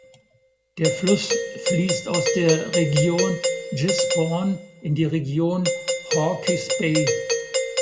Der Fluss fließt aus der Region Gisborne in die Region Hawke’s Bay.